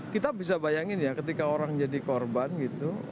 kita bisa bayangin ya ketika orang jadi korban gitu